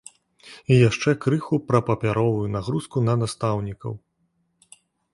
І яшчэ крыху пра папяровую нагрузку на настаўнікаў.